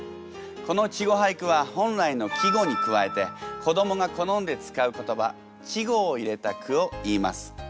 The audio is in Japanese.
この稚語俳句は本来の季語に加えて子どもが好んで使う言葉稚語を入れた句をいいます。